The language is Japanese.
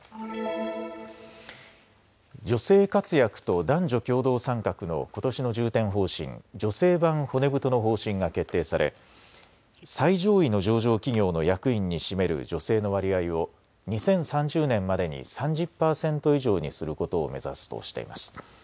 女性活躍と男女共同参画のことしの重点方針、女性版骨太の方針が決定され最上位の上場企業の役員に占める女性の割合を２０３０年までに３０％以上にすることを目指すとしています。